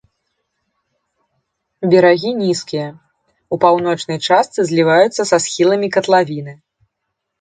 Берагі нізкія, у паўночнай частцы зліваюцца са схіламі катлавіны.